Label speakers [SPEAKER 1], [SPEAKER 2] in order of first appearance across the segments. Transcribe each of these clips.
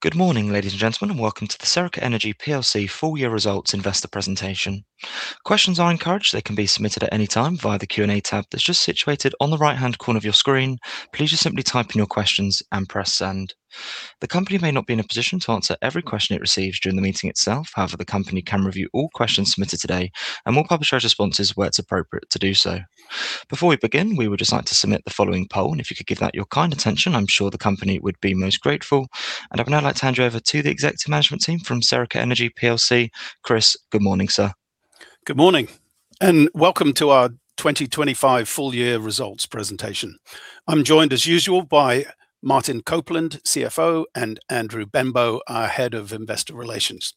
[SPEAKER 1] Good morning, ladies and gentlemen, and welcome to the Serica Energy plc Full Year Results Investor Presentation. Questions are encouraged. They can be submitted at any time via the Q&A tab that's just situated on the right-hand corner of your screen. Please just simply type in your questions and press Send. The company may not be in a position to answer every question it receives during the meeting itself. However, the company can review all questions submitted today and will publish our responses where it's appropriate to do so. Before we begin, we would just like to submit the following poll, and if you could give that your kind attention, I'm sure the company would be most grateful. I'd now like to hand you over to the executive management team from Serica Energy plc. Chris, good morning, sir.
[SPEAKER 2] Good morning, and welcome to our 2025 full year results presentation. I'm joined, as usual, by Martin Copeland, CFO, and Andrew Benbow, our Head of Investor Relations.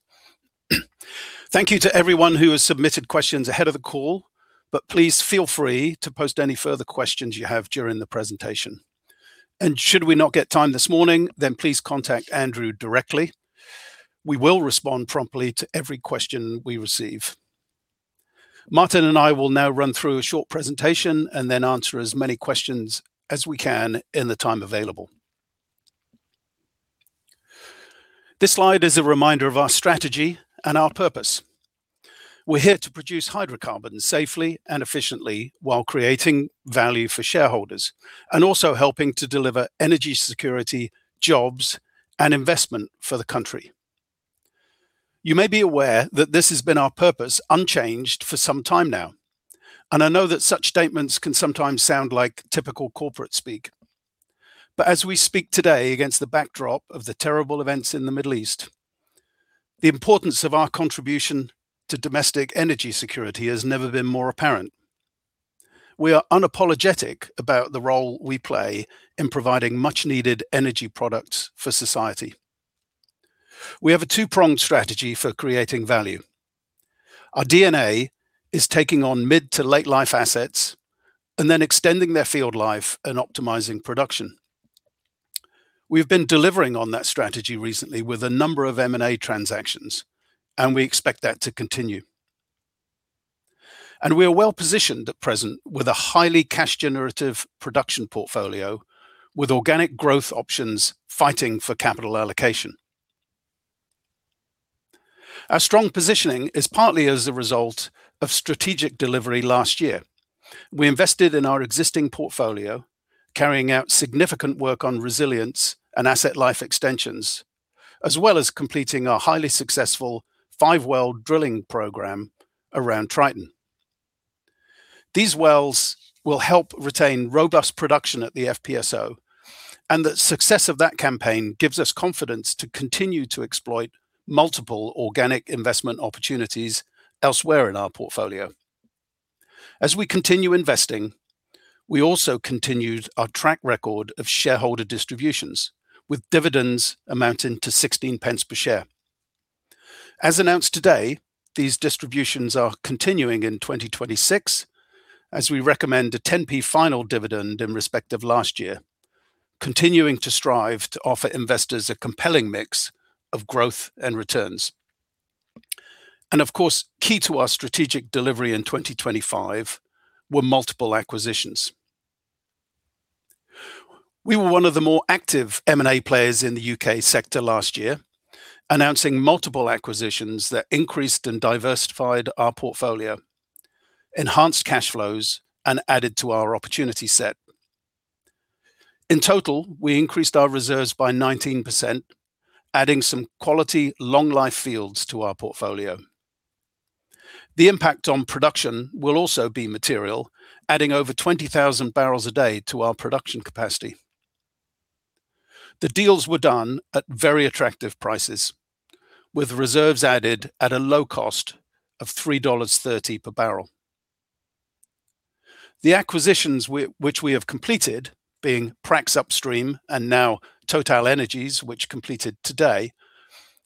[SPEAKER 2] Thank you to everyone who has submitted questions ahead of the call, but please feel free to post any further questions you have during the presentation. Should we not get time this morning, then please contact Andrew directly. We will respond promptly to every question we receive. Martin and I will now run through a short presentation and then answer as many questions as we can in the time available. This slide is a reminder of our strategy and our purpose. We're here to produce hydrocarbons safely and efficiently while creating value for shareholders and also helping to deliver energy security, jobs and investment for the country. You may be aware that this has been our purpose unchanged for some time now, and I know that such statements can sometimes sound like typical corporate speak. As we speak today against the backdrop of the terrible events in the Middle East, the importance of our contribution to domestic energy security has never been more apparent. We are unapologetic about the role we play in providing much-needed energy products for society. We have a two-pronged strategy for creating value. Our DNA is taking on mid to late life assets and then extending their field life and optimizing production. We've been delivering on that strategy recently with a number of M&A transactions, and we expect that to continue. We are well-positioned at present with a highly cash generative production portfolio with organic growth options fighting for capital allocation. Our strong positioning is partly as a result of strategic delivery last year. We invested in our existing portfolio, carrying out significant work on resilience and asset life extensions, as well as completing our highly successful five-well drilling program around Triton. These wells will help retain robust production at the FPSO, and the success of that campaign gives us confidence to continue to exploit multiple organic investment opportunities elsewhere in our portfolio. As we continue investing, we also continued our track record of shareholder distributions, with dividends amounting to 0.16 per share. As announced today, these distributions are continuing in 2026 as we recommend a 10p final dividend in respect of last year, continuing to strive to offer investors a compelling mix of growth and returns. Of course, key to our strategic delivery in 2025 were multiple acquisitions. We were one of the more active M&A players in the U.K. sector last year, announcing multiple acquisitions that increased and diversified our portfolio, enhanced cash flows, and added to our opportunity set. In total, we increased our reserves by 19%, adding some quality long life fields to our portfolio. The impact on production will also be material, adding over 20,000 barrels a day to our production capacity. The deals were done at very attractive prices, with reserves added at a low cost of $3.30 per barrel. The acquisitions we have completed, being Prax Upstream and now TotalEnergies, which completed today,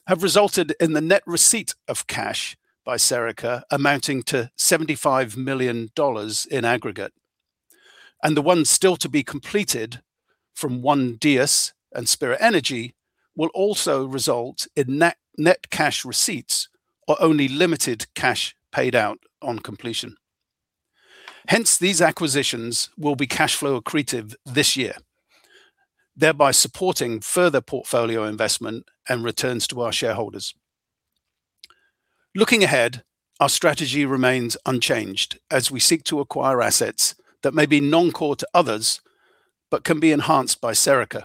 [SPEAKER 2] have resulted in the net receipt of cash by Serica amounting to $75 million in aggregate. The ones still to be completed from ONE-Dyas and Spirit Energy will also result in net cash receipts or only limited cash paid out on completion. Hence, these acquisitions will be cash flow accretive this year, thereby supporting further portfolio investment and returns to our shareholders. Looking ahead, our strategy remains unchanged as we seek to acquire assets that may be non-core to others but can be enhanced by Serica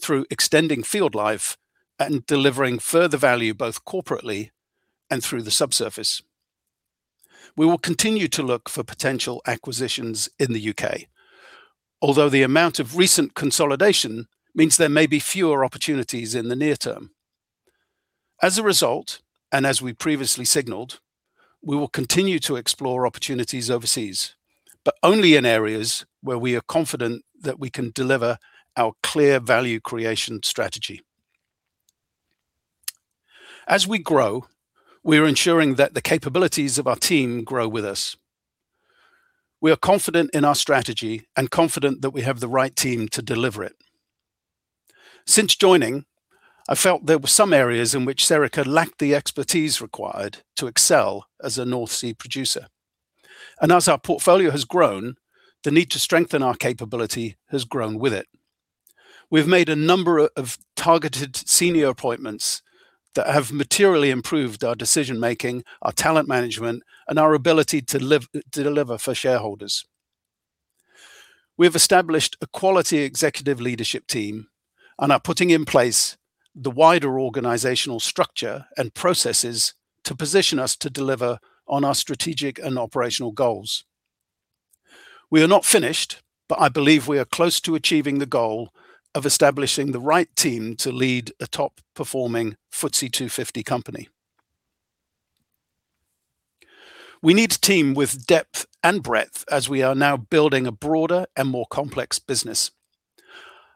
[SPEAKER 2] through extending field life and delivering further value both corporately and through the subsurface. We will continue to look for potential acquisitions in the U.K., although the amount of recent consolidation means there may be fewer opportunities in the near term. As a result, and as we previously signaled, we will continue to explore opportunities overseas, but only in areas where we are confident that we can deliver our clear value creation strategy. As we grow, we are ensuring that the capabilities of our team grow with us. We are confident in our strategy and confident that we have the right team to deliver it. Since joining, I felt there were some areas in which Serica lacked the expertise required to excel as a North Sea producer. As our portfolio has grown, the need to strengthen our capability has grown with it. We've made a number of targeted senior appointments that have materially improved our decision-making, our talent management, and our ability to deliver for shareholders. We have established a quality executive leadership team and are putting in place the wider organizational structure and processes to position us to deliver on our strategic and operational goals. We are not finished, but I believe we are close to achieving the goal of establishing the right team to lead a top-performing FTSE 250 company. We need a team with depth and breadth as we are now building a broader and more complex business.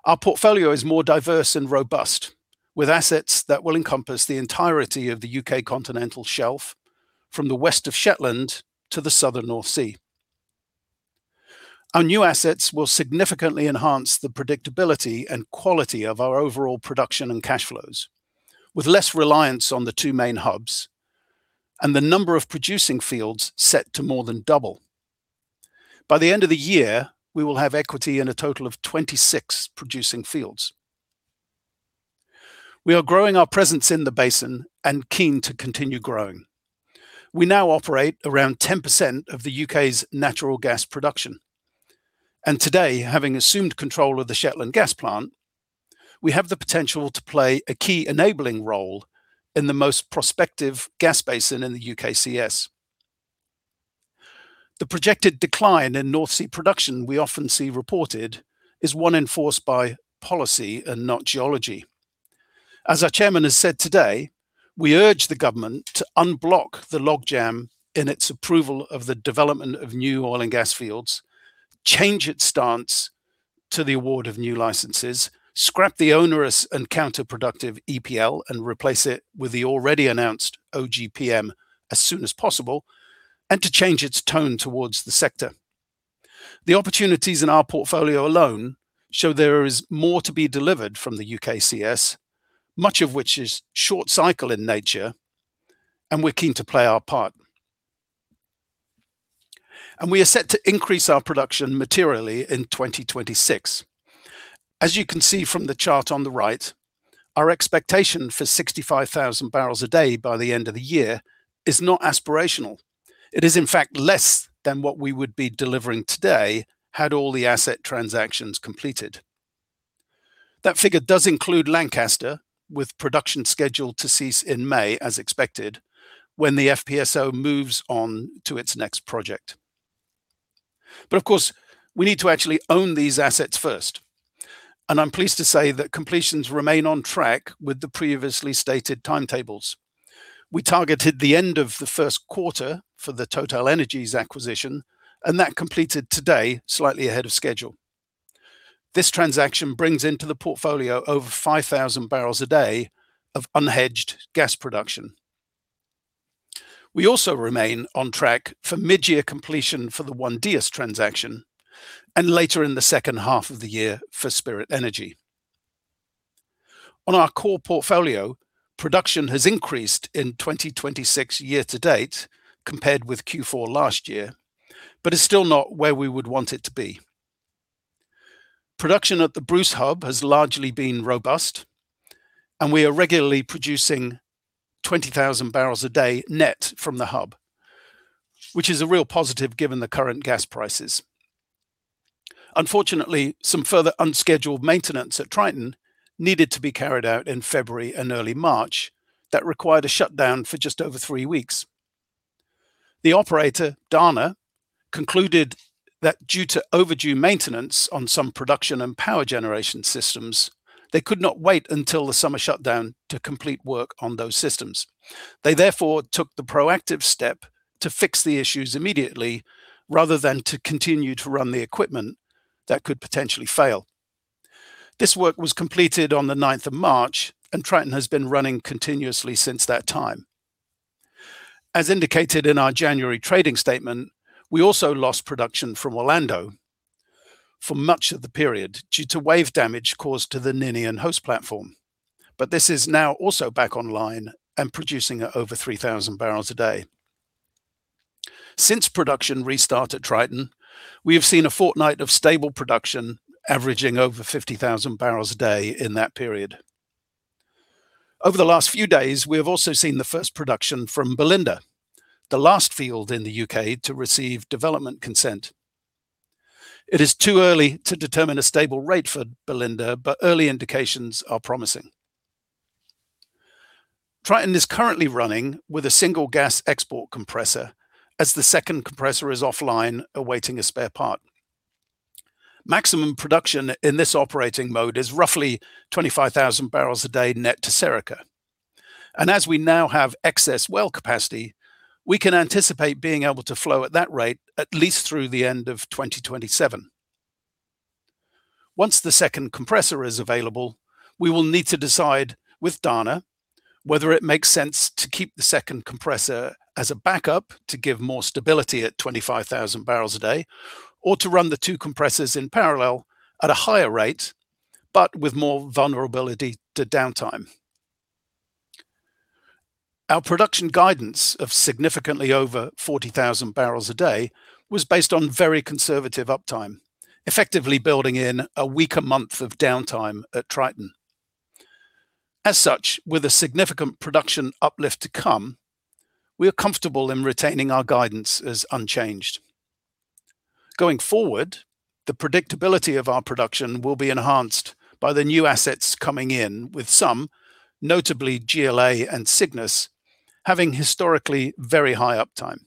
[SPEAKER 2] Our portfolio is more diverse and robust, with assets that will encompass the entirety of the U.K. continental shelf from the West of Shetland to the southern North Sea. Our new assets will significantly enhance the predictability and quality of our overall production and cash flows, with less reliance on the two main hubs and the number of producing fields set to more than double. By the end of the year, we will have equity in a total of 26 producing fields. We are growing our presence in the basin and keen to continue growing. We now operate around 10% of the U.K.'s natural gas production. Today, having assumed control of the Shetland gas plant, we have the potential to play a key enabling role in the most prospective gas basin in the UKCS. The projected decline in North Sea production we often see reported is one enforced by policy and not geology. As our chairman has said today, we urge the government to unblock the logjam in its approval of the development of new oil and gas fields, change its stance to the award of new licences, scrap the onerous and counterproductive EPL and replace it with the already announced OGPM as soon as possible, and to change its tone towards the sector. The opportunities in our portfolio alone show there is more to be delivered from the UKCS, much of which is short cycle in nature, and we're keen to play our part. We are set to increase our production materially in 2026. As you can see from the chart on the right, our expectation for 65,000 barrels a day by the end of the year is not aspirational. It is in fact less than what we would be delivering today had all the asset transactions completed. That figure does include Lancaster, with production scheduled to cease in May as expected, when the FPSO moves on to its next project. Of course, we need to actually own these assets first. I'm pleased to say that completions remain on track with the previously stated timetables. We targeted the end of the first quarter for the TotalEnergies acquisition, and that completed today slightly ahead of schedule. This transaction brings into the portfolio over 5,000 barrels a day of unhedged gas production. We also remain on track for mid-year completion for the ONE-Dyas transaction, and later in the second half of the year for Spirit Energy. On our core portfolio, production has increased in 2026 year to date compared with Q4 last year, but is still not where we would want it to be. Production at the Bruce Hub has largely been robust, and we are regularly producing 20,000 barrels a day net from the hub, which is a real positive given the current gas prices. Unfortunately, some further unscheduled maintenance at Triton needed to be carried out in February and early March that required a shutdown for just over three weeks. The operator, Dana, concluded that due to overdue maintenance on some production and power generation systems, they could not wait until the summer shutdown to complete work on those systems. They therefore took the proactive step to fix the issues immediately rather than to continue to run the equipment that could potentially fail. This work was completed on March 9th, 2025, and Triton has been running continuously since that time. As indicated in our January trading statement, we also lost production from Orlando for much of the period due to wave damage caused to the Ninian host platform, but this is now also back online and producing at over 3,000 barrels a day. Since production restart at Triton, we have seen a fortnight of stable production averaging over 50,000 barrels a day in that period. Over the last few days, we have also seen the first production from Belinda, the last field in the U.K. to receive development consent. It is too early to determine a stable rate for Belinda, but early indications are promising. Triton is currently running with a single gas export compressor as the second compressor is offline awaiting a spare part. Maximum production in this operating mode is roughly 25,000 barrels a day net to Serica, and as we now have excess well capacity, we can anticipate being able to flow at that rate at least through the end of 2027. Once the second compressor is available, we will need to decide with Dana whether it makes sense to keep the second compressor as a backup to give more stability at 25,000 barrels a day or to run the two compressors in parallel at a higher rate but with more vulnerability to downtime. Our production guidance of significantly over 40,000 barrels a day was based on very conservative uptime, effectively building in a weaker month of downtime at Triton. As such, with a significant production uplift to come, we are comfortable in retaining our guidance as unchanged. Going forward, the predictability of our production will be enhanced by the new assets coming in with some, notably GLA and Cygnus, having historically very high uptime.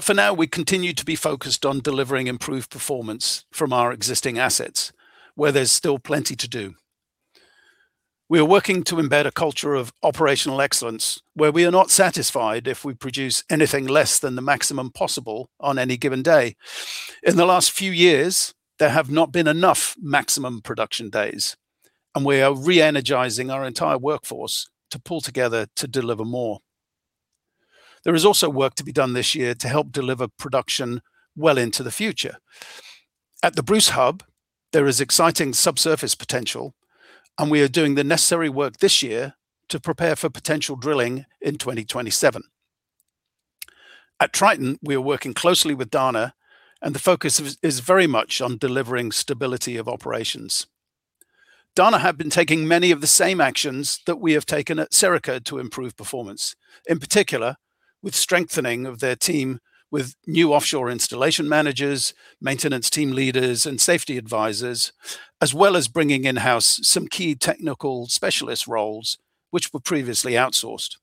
[SPEAKER 2] For now, we continue to be focused on delivering improved performance from our existing assets where there's still plenty to do. We are working to embed a culture of operational excellence where we are not satisfied if we produce anything less than the maximum possible on any given day. In the last few years, there have not been enough maximum production days, and we are re-energizing our entire workforce to pull together to deliver more. There is also work to be done this year to help deliver production well into the future. At the Bruce Hub, there is exciting subsurface potential, and we are doing the necessary work this year to prepare for potential drilling in 2027. At Triton, we are working closely with Dana, and the focus is very much on delivering stability of operations. Dana have been taking many of the same actions that we have taken at Serica to improve performance, in particular with strengthening of their team with new offshore installation managers, maintenance team leaders and safety advisors, as well as bringing in-house some key technical specialist roles which were previously outsourced.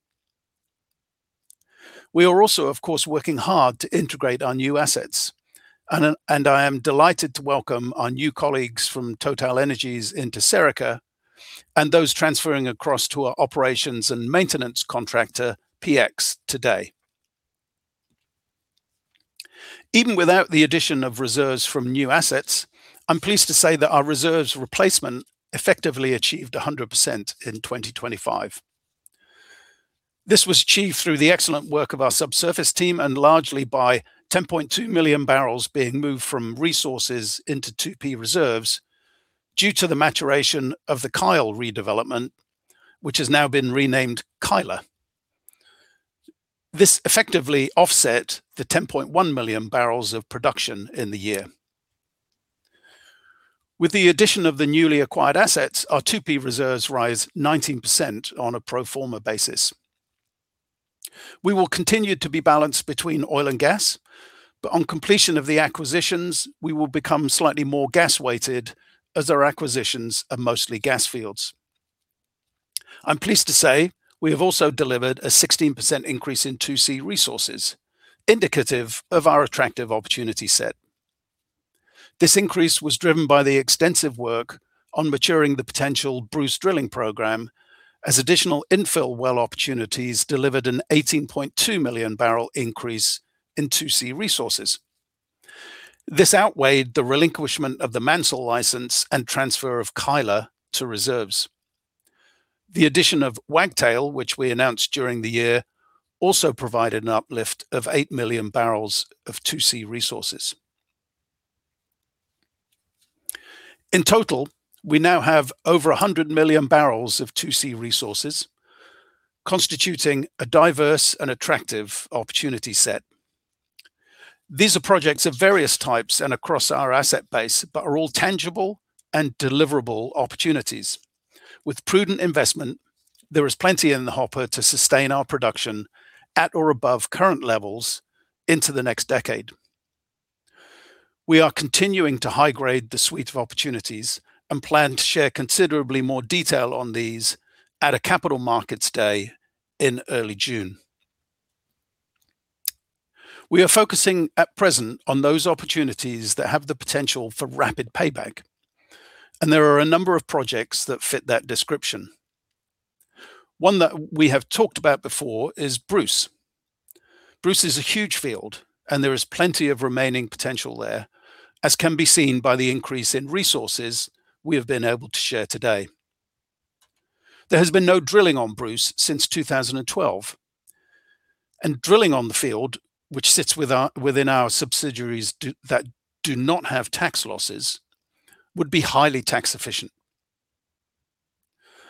[SPEAKER 2] We are also, of course, working hard to integrate our new assets, and I am delighted to welcome our new colleagues from TotalEnergies into Serica and those transferring across to our operations and maintenance contractor, px Group. Even without the addition of reserves from new assets, I'm pleased to say that our reserves replacement effectively achieved 100% in 2025. This was achieved through the excellent work of our subsurface team and largely by 10.2 million barrels being moved from resources into 2P reserves due to the maturation of the Kyle redevelopment, which has now been renamed Kyla. This effectively offset the 10.1 million barrels of production in the year. With the addition of the newly acquired assets, our 2P reserves rise 19% on a pro forma basis. We will continue to be balanced between oil and gas, but on completion of the acquisitions, we will become slightly more gas-weighted as our acquisitions are mostly gas fields. I'm pleased to say we have also delivered a 16% increase in 2C resources, indicative of our attractive opportunity set. This increase was driven by the extensive work on maturing the potential Bruce drilling program as additional infill well opportunities delivered an 18.2 million barrel increase in 2C resources. This outweighed the relinquishment of the Mansell license and transfer of Kyla to reserves. The addition of Wagtail, which we announced during the year, also provided an uplift of 8 million barrels of 2C resources. In total, we now have over 100 million barrels of 2C resources, constituting a diverse and attractive opportunity set. These are projects of various types and across our asset base, but are all tangible and deliverable opportunities. With prudent investment, there is plenty in the hopper to sustain our production at or above current levels into the next decade. We are continuing to high-grade the suite of opportunities and plan to share considerably more detail on these at a Capital Markets Day in early June. We are focusing at present on those opportunities that have the potential for rapid payback, and there are a number of projects that fit that description. One that we have talked about before is Bruce. Bruce is a huge field, and there is plenty of remaining potential there, as can be seen by the increase in resources we have been able to share today. There has been no drilling on Bruce since 2012, and drilling on the field, which sits within our subsidiaries that do not have tax losses, would be highly tax efficient.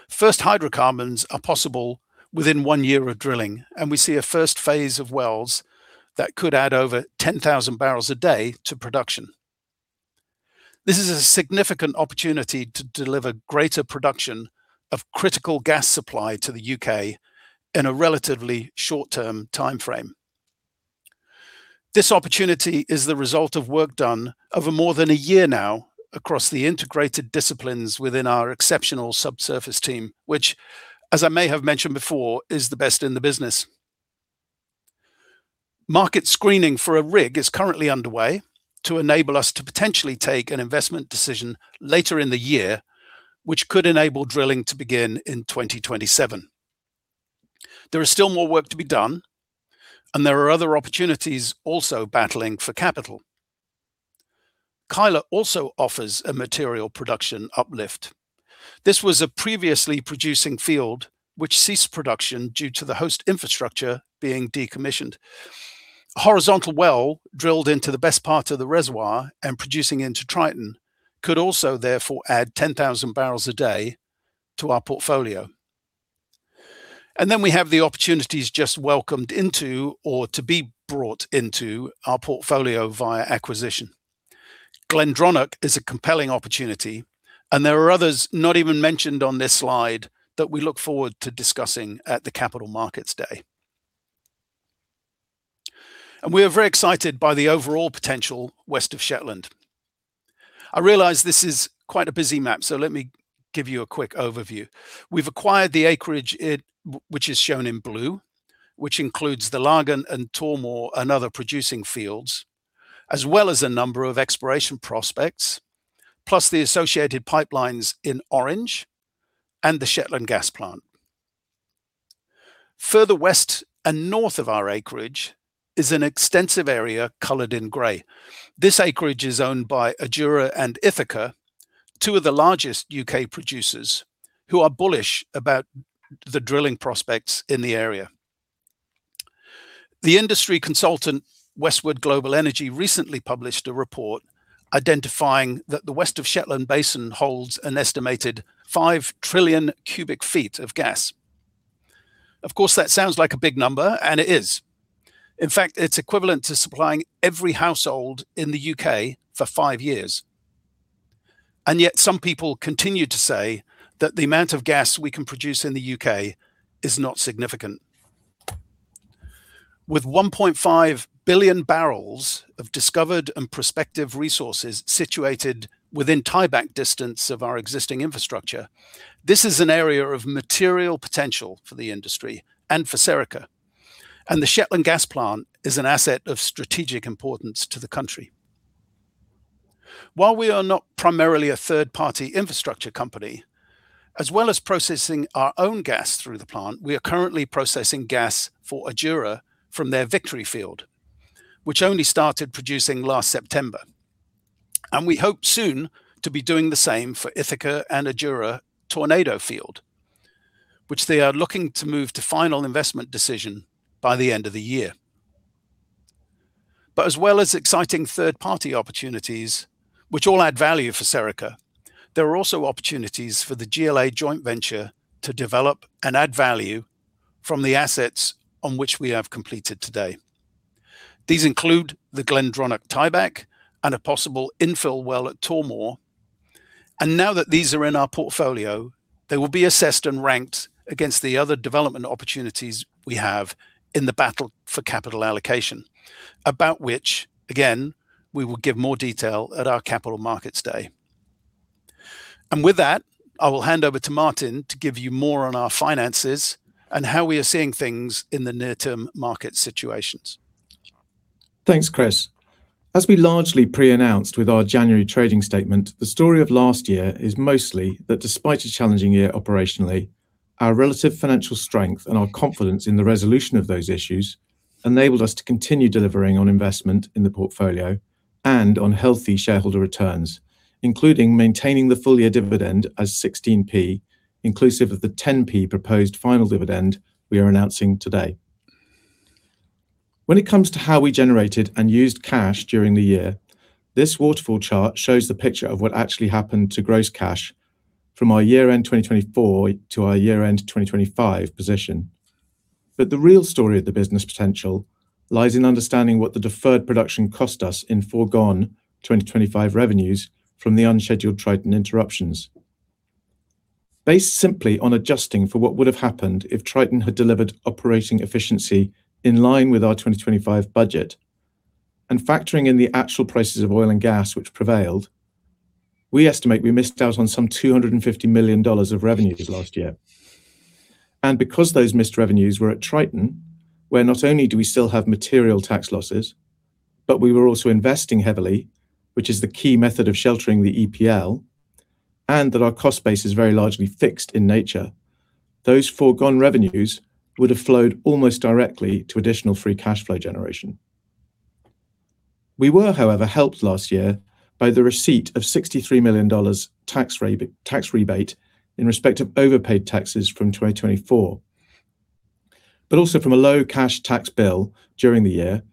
[SPEAKER 2] First hydrocarbons are possible within one year of drilling, and we see a first phase of wells that could add over 10,000 barrels a day to production. This is a significant opportunity to deliver greater production of critical gas supply to the U.K. in a relatively short-term timeframe. This opportunity is the result of work done over more than a year now across the integrated disciplines within our exceptional subsurface team, which, as I may have mentioned before, is the best in the business. Market screening for a rig is currently underway to enable us to potentially take an investment decision later in the year, which could enable drilling to begin in 2027. There is still more work to be done, and there are other opportunities also battling for capital. Kyla also offers a material production uplift. This was a previously producing field which ceased production due to the host infrastructure being decommissioned. Horizontal well drilled into the best part of the reservoir and producing into Triton could also therefore add 10,000 barrels a day to our portfolio. We have the opportunities just welcomed into or to be brought into our portfolio via acquisition. Glendronach is a compelling opportunity, and there are others not even mentioned on this slide that we look forward to discussing at the Capital Markets Day. We are very excited by the overall potential west of Shetland. I realize this is quite a busy map, so let me give you a quick overview. We've acquired the acreage which is shown in blue, which includes the Laggan and Tormore, and other producing fields, as well as a number of exploration prospects, plus the associated pipelines in orange and the Shetland gas plant. Further west and north of our acreage is an extensive area colored in gray. This acreage is owned by Adura and Ithaca, two of the largest U.K. producers, who are bullish about the drilling prospects in the area. The industry consultant, Westwood Global Energy, recently published a report identifying that the West of Shetland Basin holds an estimated 5 trillion cubic feet of gas. Of course, that sounds like a big number, and it is. In fact, it's equivalent to supplying every household in the U.K. for five years. Yet some people continue to say that the amount of gas we can produce in the U.K. is not significant. With 1.5 billion barrels of discovered and prospective resources situated within tieback distance of our existing infrastructure, this is an area of material potential for the industry and for Serica. The Shetland gas plant is an asset of strategic importance to the country. While we are not primarily a third-party infrastructure company, as well as processing our own gas through the plant, we are currently processing gas for Adura from their Victory field, which only started producing last September. We hope soon to be doing the same for Ithaca and Adura Tornado field, which they are looking to move to final investment decision by the end of the year. As well as exciting third-party opportunities, which all add value for Serica, there are also opportunities for the GLA joint venture to develop and add value from the assets on which we have completed today. These include the Glendronach tieback and a possible infill well at Tormore. Now that these are in our portfolio, they will be assessed and ranked against the other development opportunities we have in the battle for capital allocation, about which, again, we will give more detail at our Capital Markets Day. With that, I will hand over to Martin to give you more on our finances and how we are seeing things in the near-term market situations.
[SPEAKER 3] Thanks, Chris. As we largely pre-announced with our January trading statement, the story of last year is mostly that despite a challenging year operationally, our relative financial strength and our confidence in the resolution of those issues enabled us to continue delivering on investment in the portfolio and on healthy shareholder returns, including maintaining the full-year dividend as 16p, inclusive of the 10p proposed final dividend we are announcing today. When it comes to how we generated and used cash during the year, this waterfall chart shows the picture of what actually happened to gross cash from our year-end 2024 to our year-end 2025 position. The real story of the business potential lies in understanding what the deferred production cost us in foregone 2025 revenues from the unscheduled Triton interruptions. Based simply on adjusting for what would have happened if Triton had delivered operating efficiency in line with our 2025 budget and factoring in the actual prices of oil and gas which prevailed, we estimate we missed out on some $250 million of revenues last year. Because those missed revenues were at Triton, where not only do we still have material tax losses, but we were also investing heavily, which is the key method of sheltering the EPL, and that our cost base is very largely fixed in nature, those foregone revenues would have flowed almost directly to additional free cash flow generation. We were, however, helped last year by the receipt of $63 million tax rebate in respect of overpaid taxes from 2024, but also from a low cash tax bill during the year,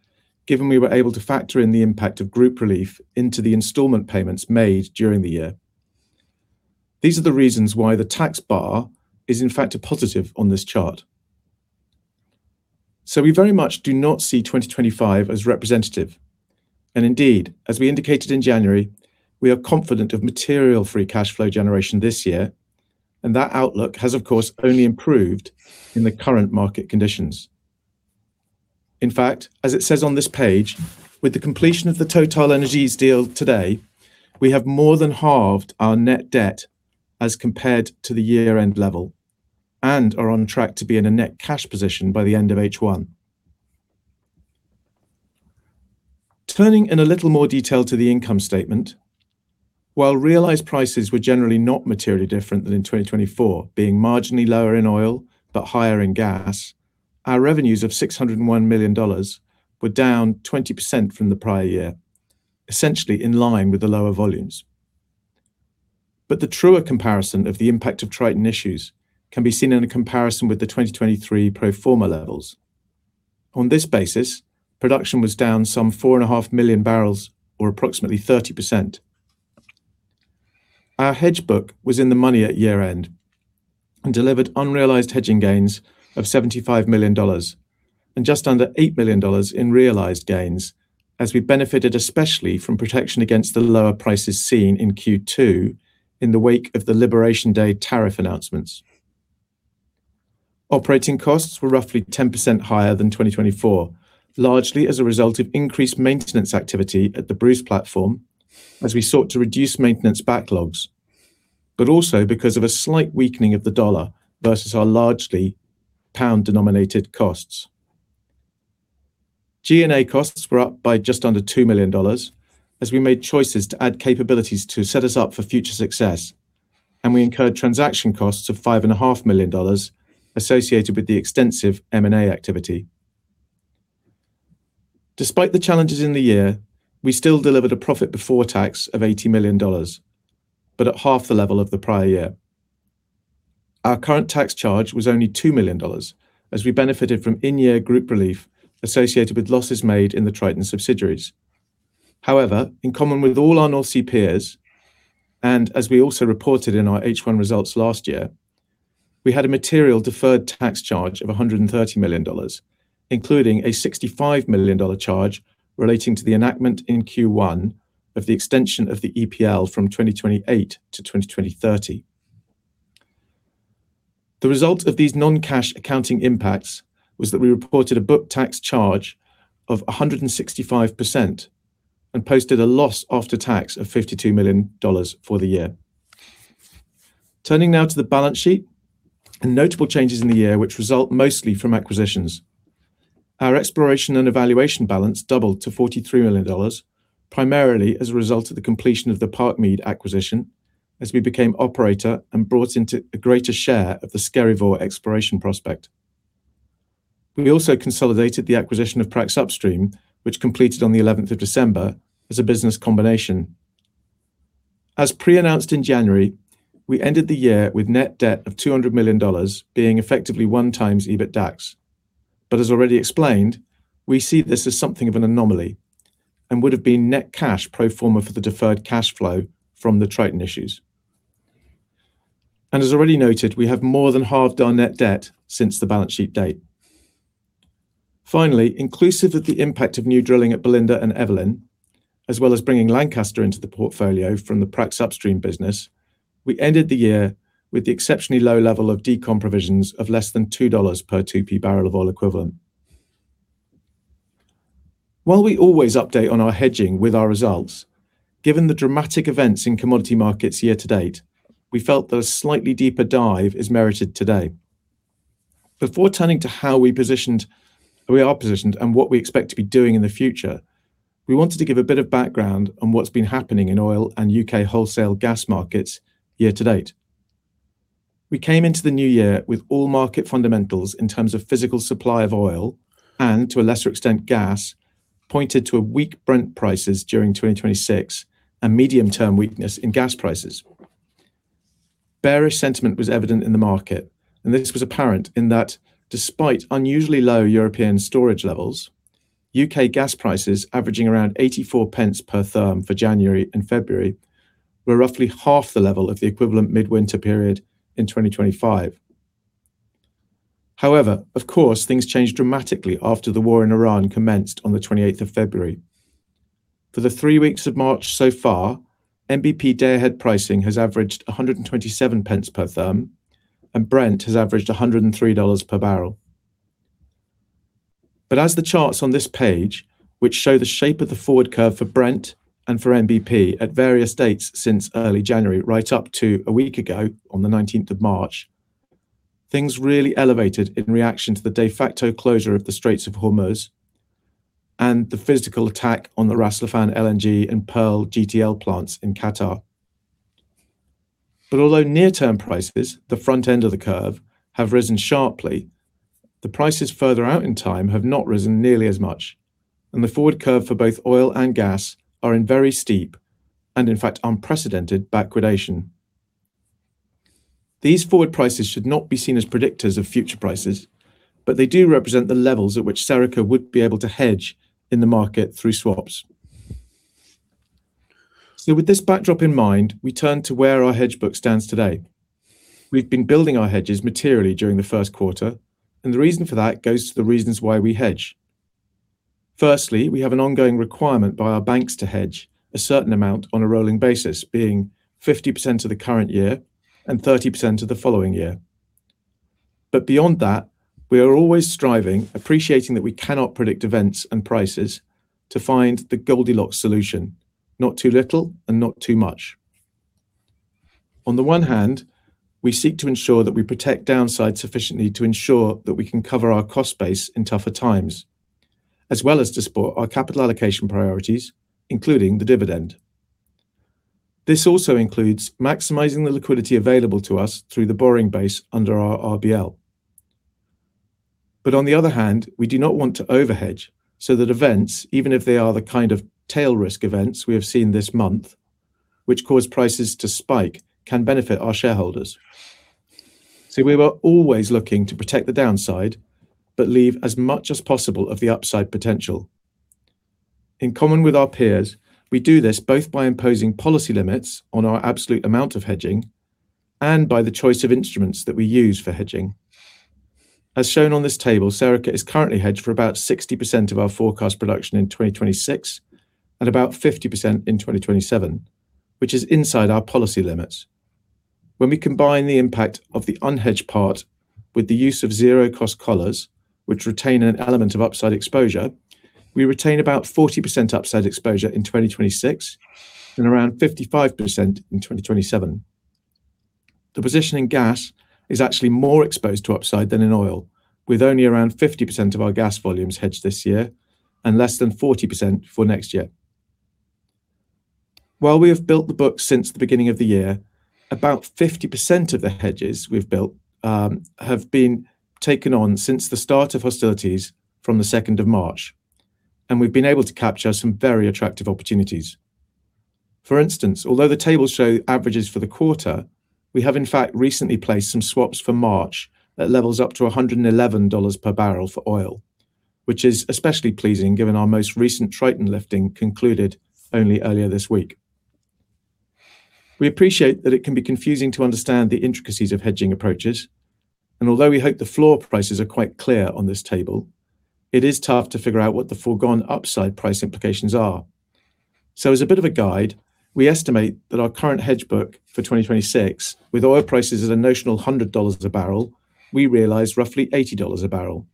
[SPEAKER 3] given we were able to factor in the impact of group relief into the installment payments made during the year. These are the reasons why the tax bar is, in fact, a positive on this chart. We very much do not see 2025 as representative. Indeed, as we indicated in January, we are confident of material free cash flow generation this year, and that outlook has, of course, only improved in the current market conditions. In fact, as it says on this page, with the completion of the TotalEnergies deal today, we have more than halved our net debt as compared to the year-end level and are on track to be in a net cash position by the end of H1. Turning to a little more detail to the income statement, while realized prices were generally not materially different than in 2024, being marginally lower in oil but higher in gas, our revenues of $601 million were down 20% from the prior year, essentially in line with the lower volumes. The truer comparison of the impact of Triton issues can be seen in a comparison with the 2023 pro forma levels. On this basis, production was down some 4.5 million barrels or approximately 30%. Our hedge book was in the money at year-end and delivered unrealized hedging gains of $75 million and just under $8 million in realized gains as we benefited especially from protection against the lower prices seen in Q2 in the wake of the Liberation Day tariff announcements. Operating costs were roughly 10% higher than 2024, largely as a result of increased maintenance activity at the Bruce platform as we sought to reduce maintenance backlogs, but also because of a slight weakening of the dollar versus our largely pound-denominated costs. G&A costs were up by just under $2 million as we made choices to add capabilities to set us up for future success, and we incurred transaction costs of $5.5 million associated with the extensive M&A activity. Despite the challenges in the year, we still delivered a profit before tax of $80 million, but at half the level of the prior year. Our current tax charge was only $2 million as we benefited from in-year group relief associated with losses made in the Triton subsidiaries. However, in common with all our North Sea peers, and as we also reported in our H1 results last year, we had a material deferred tax charge of $130 million, including a $65 million charge relating to the enactment in Q1 of the extension of the EPL from 2028 to 2030. The result of these non-cash accounting impacts was that we reported a book tax charge of 165% and posted a loss after tax of $52 million for the year. Turning now to the balance sheet and notable changes in the year which result mostly from acquisitions. Our exploration and evaluation balance doubled to $43 million, primarily as a result of the completion of the Parkmead acquisition as we became operator and brought into a greater share of the Skerryvore exploration prospect. We also consolidated the acquisition of Prax Upstream, which completed on December 11th, 2024 as a business combination. As pre-announced in January, we ended the year with net debt of $200 million being effectively 1x EBITDAX. As already explained, we see this as something of an anomaly and would have been net cash pro forma for the deferred cash flow from the Triton issues. As already noted, we have more than halved our net debt since the balance sheet date. Finally, inclusive of the impact of new drilling at Belinda and Evelyn, as well as bringing Lancaster into the portfolio from the Prax Upstream business, we ended the year with the exceptionally low level of decom provisions of less than $2 per 2P barrel of oil equivalent. While we always update on our hedging with our results, given the dramatic events in commodity markets year to date, we felt that a slightly deeper dive is merited today. Before turning to how we are positioned and what we expect to be doing in the future, we wanted to give a bit of background on what's been happening in oil and U.K. wholesale gas markets year to date. We came into the new year with all market fundamentals in terms of physical supply of oil and to a lesser extent gas, pointed to weak Brent prices during 2026 and medium-term weakness in gas prices. Bearish sentiment was evident in the market, and this was apparent in that despite unusually low European storage levels, U.K. gas prices averaging around 0.84 per therm for January and February were roughly half the level of the equivalent midwinter period in 2025. However, of course, things changed dramatically after the war in Iran commenced on February 28th, 2025. For the three weeks of March so far, NBP day-ahead pricing has averaged 0.127 per therm, and Brent has averaged $103 per barrel. As the charts on this page, which show the shape of the forward curve for Brent and for NBP at various dates since early January right up to a week ago on March 19th, 2025, things really elevated in reaction to the de facto closure of the Straits of Hormuz and the physical attack on the Ras Laffan LNG and Pearl GTL plants in Qatar. Although near-term prices, the front end of the curve, have risen sharply, the prices further out in time have not risen nearly as much, and the forward curve for both oil and gas are in very steep, and in fact unprecedented, backwardation. These forward prices should not be seen as predictors of future prices, but they do represent the levels at which Serica would be able to hedge in the market through swaps. With this backdrop in mind, we turn to where our hedge book stands today. We've been building our hedges materially during the first quarter, and the reason for that goes to the reasons why we hedge. Firstly, we have an ongoing requirement by our banks to hedge a certain amount on a rolling basis, being 50% of the current year and 30% of the following year. Beyond that, we are always striving, appreciating that we cannot predict events and prices, to find the Goldilocks solution, not too little and not too much. On the one hand, we seek to ensure that we protect downside sufficiently to ensure that we can cover our cost base in tougher times, as well as to support our capital allocation priorities, including the dividend. This also includes maximizing the liquidity available to us through the borrowing base under our RBL. On the other hand, we do not want to overhedge so that events, even if they are the kind of tail risk events we have seen this month which cause prices to spike, can benefit our shareholders. See, we were always looking to protect the downside, but leave as much as possible of the upside potential. In common with our peers, we do this both by imposing policy limits on our absolute amount of hedging and by the choice of instruments that we use for hedging. As shown on this table, Serica is currently hedged for about 60% of our forecast production in 2026 and about 50% in 2027, which is inside our policy limits. When we combine the impact of the unhedged part with the use of zero cost collars, which retain an element of upside exposure, we retain about 40% upside exposure in 2026 and around 55% in 2027. The position in gas is actually more exposed to upside than in oil, with only around 50% of our gas volumes hedged this year and less than 40% for next year. While we have built the book since the beginning of the year, about 50% of the hedges we've built have been taken on since the start of hostilities from March 2nd, 2025, and we've been able to capture some very attractive opportunities. For instance, although the tables show averages for the quarter, we have in fact recently placed some swaps for March at levels up to $111 per barrel for oil, which is especially pleasing given our most recent Triton lifting concluded only earlier this week. We appreciate that it can be confusing to understand the intricacies of hedging approaches, and although we hope the floor prices are quite clear on this table, it is tough to figure out what the forgone upside price implications are. As a bit of a guide, we estimate that our current hedge book for 2026 with oil prices at a notional $100 a barrel, we realize roughly $80 a barrel.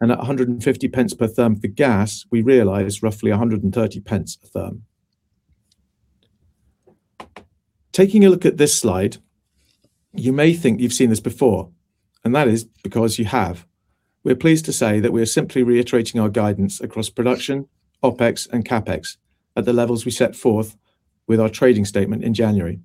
[SPEAKER 3] At 0.150 per therm for gas, we realize roughly 0.130 per therm. Taking a look at this slide, you may think you've seen this before, and that is because you have. We're pleased to say that we are simply reiterating our guidance across production, OpEx, and CapEx at the levels we set forth with our trading statement in January.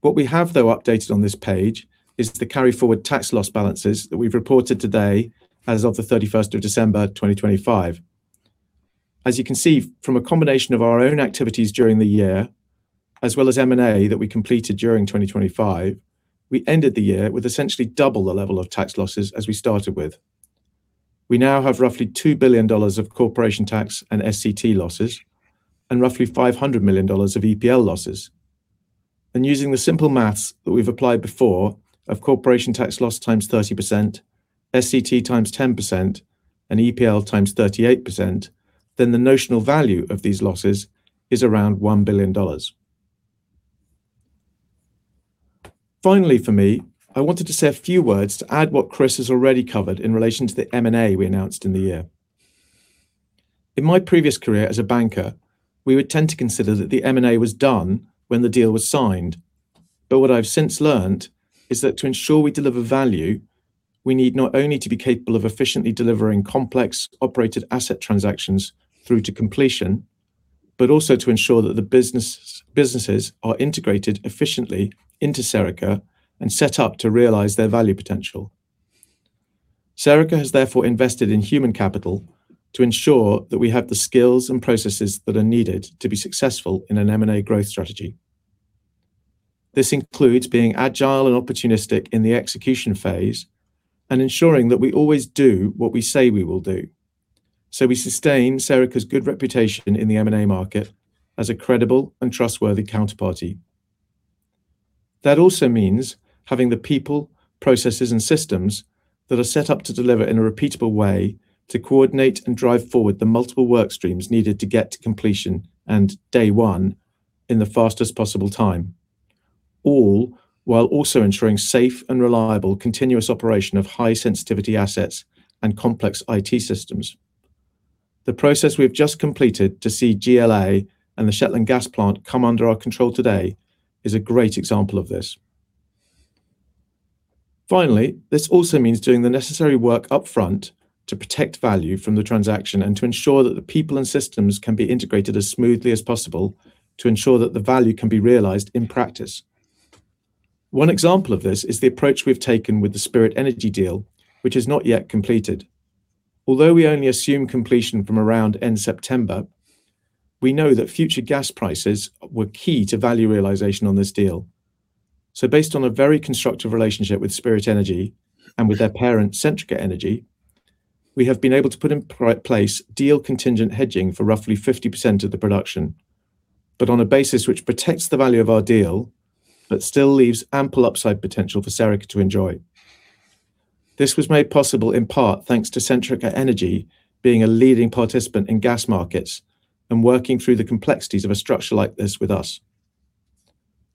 [SPEAKER 3] What we have though updated on this page is the carry forward tax loss balances that we've reported today as of December 31st, 2025. As you can see from a combination of our own activities during the year, as well as M&A that we completed during 2025, we ended the year with essentially double the level of tax losses as we started with. We now have roughly $2 billion of corporation tax and SCT losses and roughly $500 million of EPL losses. Using the simple math that we've applied before of corporation tax loss times 30%, SCT times 10%, and EPL times 38%, then the notional value of these losses is around $1 billion. Finally for me, I wanted to say a few words to add what Chris has already covered in relation to the M&A we announced in the year. In my previous career as a banker, we would tend to consider that the M&A was done when the deal was signed. What I've since learned is that to ensure we deliver value, we need not only to be capable of efficiently delivering complex operated asset transactions through to completion, but also to ensure that the business, businesses are integrated efficiently into Serica and set up to realize their value potential. Serica has therefore invested in human capital to ensure that we have the skills and processes that are needed to be successful in an M&A growth strategy. This includes being agile and opportunistic in the execution phase and ensuring that we always do what we say we will do. We sustain Serica's good reputation in the M&A market as a credible and trustworthy counterparty. That also means having the people, processes, and systems that are set up to deliver in a repeatable way to coordinate and drive forward the multiple work streams needed to get to completion and day one in the fastest possible time, all while also ensuring safe and reliable continuous operation of high sensitivity assets and complex IT systems. The process we have just completed to see GLA and the Shetland gas plant come under our control today is a great example of this. Finally, this also means doing the necessary work upfront to protect value from the transaction and to ensure that the people and systems can be integrated as smoothly as possible to ensure that the value can be realized in practice. One example of this is the approach we've taken with the Spirit Energy deal, which is not yet completed. Although we only assume completion from around end September, we know that future gas prices were key to value realization on this deal. Based on a very constructive relationship with Spirit Energy and with their parent, Centrica, we have been able to put in place deal contingent hedging for roughly 50% of the production, but on a basis which protects the value of our deal, but still leaves ample upside potential for Serica to enjoy. This was made possible in part thanks to Centrica being a leading participant in gas markets and working through the complexities of a structure like this with us.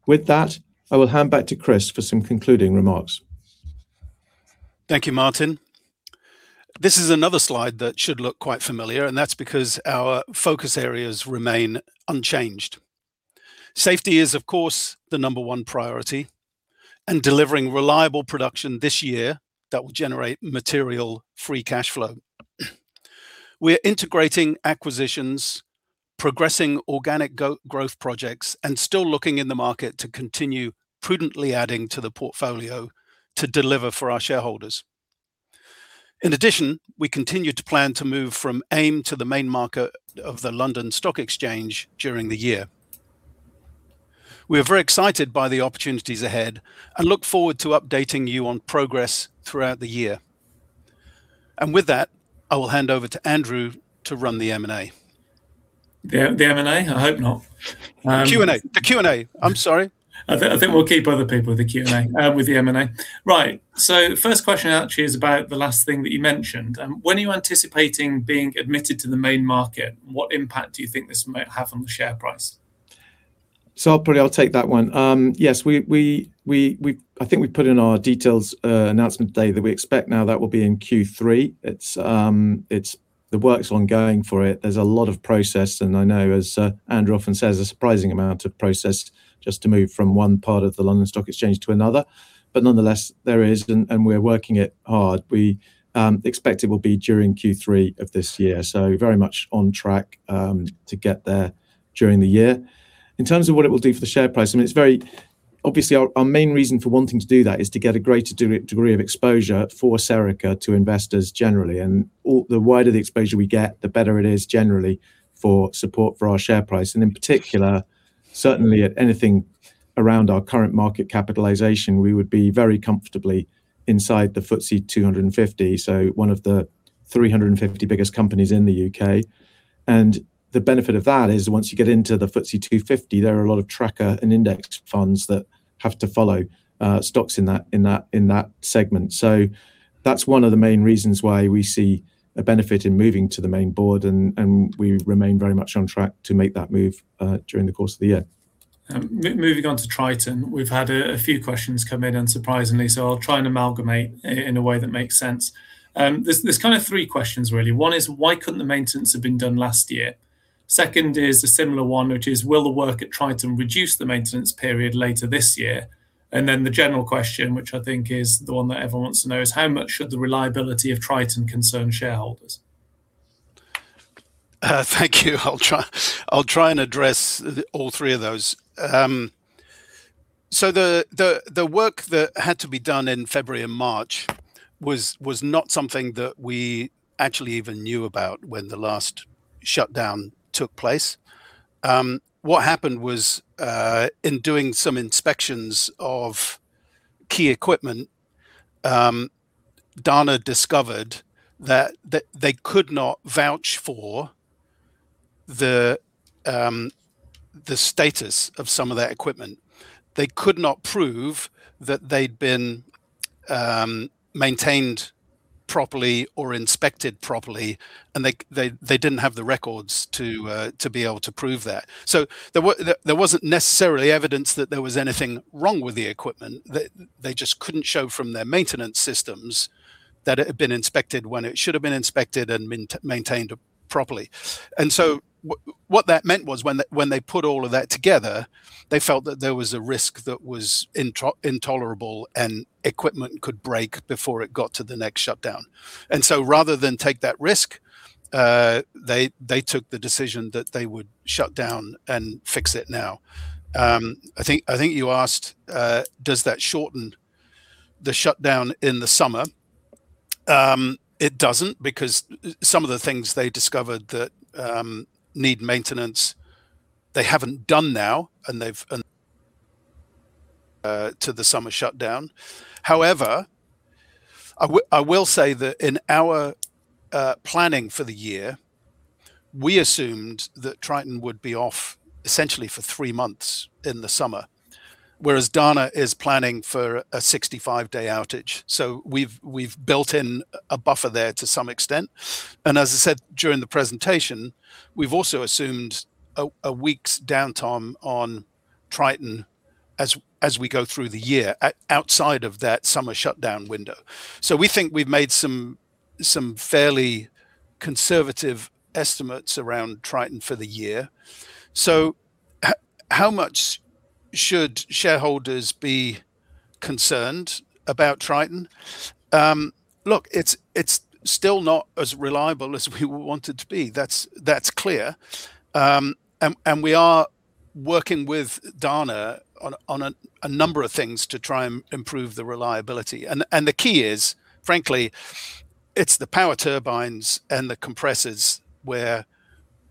[SPEAKER 3] With that, I will hand back to Chris for some concluding remarks.
[SPEAKER 2] Thank you, Martin. This is another slide that should look quite familiar, and that's because our focus areas remain unchanged. Safety is, of course, the number one priority, and delivering reliable production this year that will generate material free cash flow. We're integrating acquisitions, progressing organic growth projects, and still looking in the market to continue prudently adding to the portfolio to deliver for our shareholders. In addition, we continue to plan to move from AIM to the main market of the London Stock Exchange during the year. We are very excited by the opportunities ahead, and look forward to updating you on progress throughout the year. With that, I will hand over to Andrew to run the M&A.
[SPEAKER 4] The M&A? I hope not.
[SPEAKER 2] The Q&A. I'm sorry.
[SPEAKER 4] I think we'll keep other people with the Q&A, with the M&A. Right. First question actually is about the last thing that you mentioned. When are you anticipating being admitted to the main market? What impact do you think this might have on the share price?
[SPEAKER 3] I'll take that one. Yes. I think we put in our detailed announcement today that we expect now that will be in Q3. It's the work's ongoing for it. There's a lot of process and I know, as Andrew often says, a surprising amount of process just to move from one part of the London Stock Exchange to another. Nonetheless, there is and we're working it hard. We expect it will be during Q3 of this year, so very much on track to get there during the year. In terms of what it will do for the share price, I mean, it's very. Obviously our main reason for wanting to do that is to get a greater degree of exposure for Serica to investors generally. The wider the exposure we get, the better it is generally for support for our share price. In particular, certainly at anything around our current market capitalization, we would be very comfortably inside the FTSE 250, so one of the 350 biggest companies in the U.K. The benefit of that is once you get into the FTSE 250, there are a lot of tracker and index funds that have to follow stocks in that segment. That's one of the main reasons why we see a benefit in moving to the main board and we remain very much on track to make that move during the course of the year.
[SPEAKER 4] Moving on to Triton, we've had a few questions come in, unsurprisingly, so I'll try and amalgamate in a way that makes sense. There's kind of three questions really. One is why couldn't the maintenance have been done last year? Second is a similar one, which is will the work at Triton reduce the maintenance period later this year? And then the general question, which I think is the one that everyone wants to know, is how much should the reliability of Triton concern shareholders?
[SPEAKER 2] Thank you. I'll try and address all three of those. The work that had to be done in February and March was not something that we actually even knew about when the last shutdown took place. What happened was, in doing some inspections of key equipment, Dana discovered that they could not vouch for the status of some of their equipment. They could not prove that they'd been maintained properly or inspected properly, and they didn't have the records to be able to prove that. There wasn't necessarily evidence that there was anything wrong with the equipment. They just couldn't show from their maintenance systems that it had been inspected when it should have been inspected and maintained properly. What that meant was when they put all of that together, they felt that there was a risk that was intolerable and equipment could break before it got to the next shutdown. Rather than take that risk, they took the decision that they would shut down and fix it now. I think you asked, does that shorten the shutdown in the summer? It doesn't because some of the things they discovered that need maintenance, they haven't done now and they've deferred them to the summer shutdown. However, I will say that in our planning for the year, we assumed that Triton would be off essentially for three months in the summer, whereas Dana is planning for a 65-day outage. We've built in a buffer there to some extent. As I said during the presentation, we've also assumed a week's downtime on Triton as we go through the year outside of that summer shutdown window. We think we've made some fairly conservative estimates around Triton for the year. How much should shareholders be concerned about Triton? Look, it's still not as reliable as we want it to be. That's clear. We are working with Dana on a number of things to try and improve the reliability. The key is, frankly, it's the power turbines and the compressors where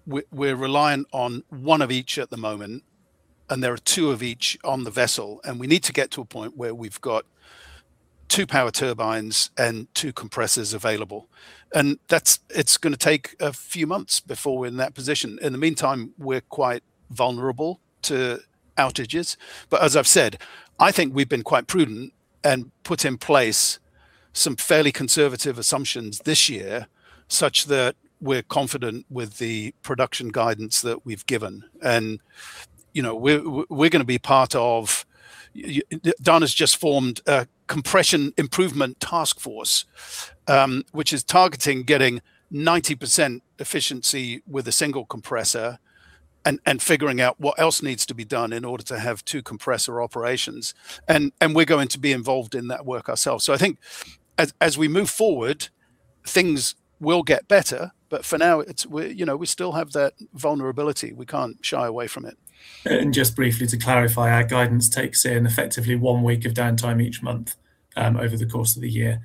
[SPEAKER 2] we're reliant on one of each at the moment, and there are two of each on the vessel, and we need to get to a point where we've got two power turbines and two compressors available. That's, it's gonna take a few months before we're in that position. In the meantime, we're quite vulnerable to outages. As I've said, I think we've been quite prudent and put in place some fairly conservative assumptions this year, such that we're confident with the production guidance that we've given. You know, we're gonna be part of Dana's just formed a compression improvement task force, which is targeting getting 90% efficiency with a single compressor and figuring out what else needs to be done in order to have two compressor operations. We're going to be involved in that work ourselves. I think as we move forward, things will get better, but for now, we still have that vulnerability. We can't shy away from it.
[SPEAKER 4] Just briefly to clarify, our guidance takes in effectively one week of downtime each month over the course of the year.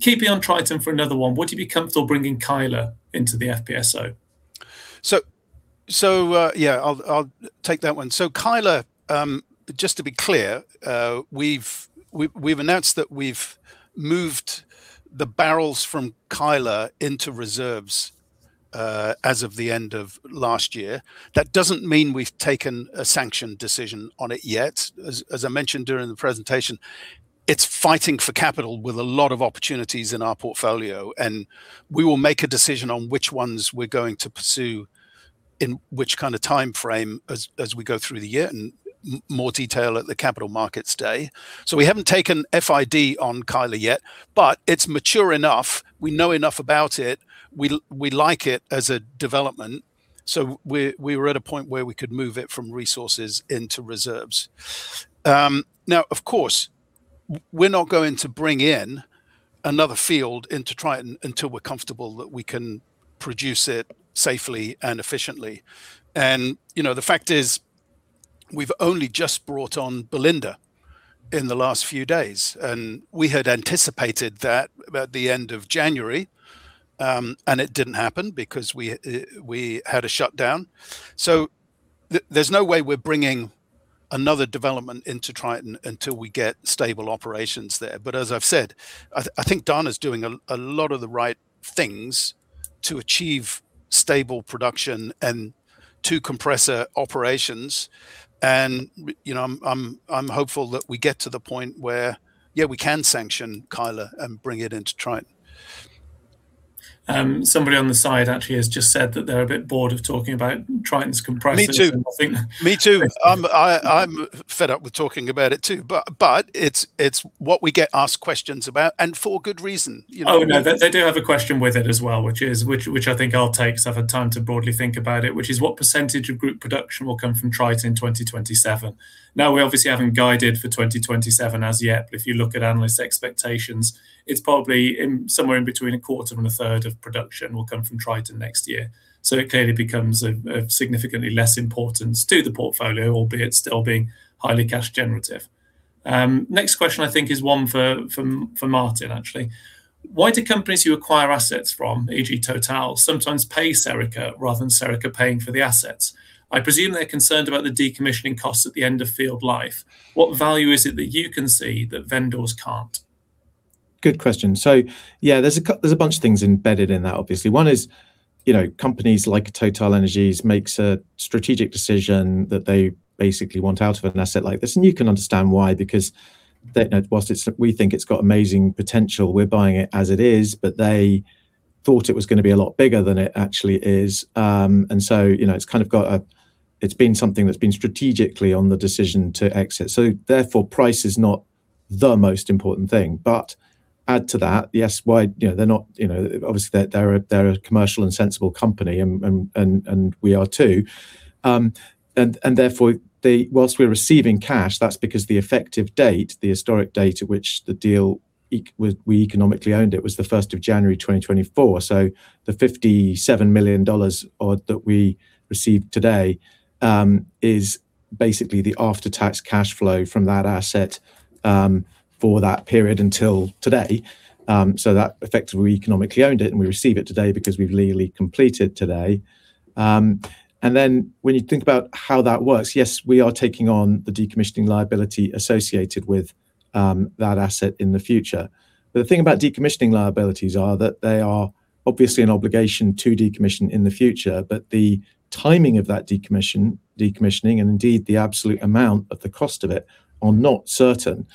[SPEAKER 4] Keeping on Triton for another one, would you be comfortable bringing Kyla into the FPSO?
[SPEAKER 2] Yeah, I'll take that one. Kyla, just to be clear, we've announced that we've moved the barrels from Kyla into reserves as of the end of last year. That doesn't mean we've taken a sanction decision on it yet. As I mentioned during the presentation, it's fighting for capital with a lot of opportunities in our portfolio. We will make a decision on which ones we're going to pursue in which kind of timeframe as we go through the year and more detail at the Capital Markets Day. We haven't taken FID on Kyla yet, but it's mature enough. We know enough about it. We like it as a development. We were at a point where we could move it from resources into reserves. Now, of course, we're not going to bring in another field into Triton until we're comfortable that we can produce it safely and efficiently. The fact is we've only just brought on Belinda in the last few days. We had anticipated that about the end of January, and it didn't happen because we had a shutdown. There's no way we're bringing another development into Triton until we get stable operations there. As I've said, I think Dana's doing a lot of the right things to achieve stable production and two compressor operations. I'm hopeful that we get to the point where, yeah, we can sanction Kyla and bring it into Triton.
[SPEAKER 4] Somebody on the side actually has just said that they're a bit bored of talking about Triton's compressors...
[SPEAKER 2] Me too. I'm fed up with talking about it too, but it's what we get asked questions about and for good reason...
[SPEAKER 4] Oh, no, they do have a question with it as well, which I think I'll take because I've had time to broadly think about it, which is what percentage of group production will come from Triton 2027? We obviously haven't guided for 2027 as yet, but if you look at analyst expectations, it's probably somewhere in between a quarter and a third of production will come from Triton next year. It clearly becomes of significantly less importance to the portfolio, albeit still being highly cash generative. Next question I think is one for Martin actually. Why do companies you acquire assets from, e.g., TotalEnergies, sometimes pay Serica rather than Serica paying for the assets? I presume they're concerned about the decommissioning costs at the end of field life. What value is it that you can see that vendors can't?
[SPEAKER 3] Good question. Yeah, there's a bunch of things embedded in that obviously. One is companies like TotalEnergies makes a strategic decision that they basically want out of an asset like this. You can understand why, because while we think it's got amazing potential, we're buying it as it is, but they thought it was going to be a lot bigger than it actually is. It's been something that's been strategically on the decision to exit. Therefore price is not the most important thing. Add to that, yes, why they're not, obviously they're a commercial and sensible company and we are too. Therefore, while we're receiving cash, that's because the effective date, the historic date at which the deal we economically owned it was January 1st, 2024. The $57 million odd that we received today is basically the after tax cash flow from that asset for that period until today. That effectively we economically owned it and we receive it today because we've legally completed today. Then when you think about how that works, yes, we are taking on the decommissioning liability associated with that asset in the future. The thing about decommissioning liabilities are that they are obviously an obligation to decommission in the future, but the timing of that decommissioning and indeed the absolute amount of the cost of it are not certain.